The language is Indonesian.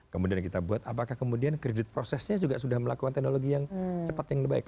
kemudian kita buat apakah kemudian kredit prosesnya juga sudah melakukan teknologi yang cepat yang lebih baik